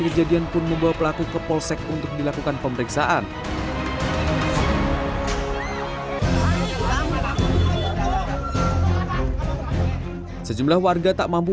kejadian pun membawa pelaku ke polsek untuk dilakukan pemeriksaan sejumlah warga tak mampu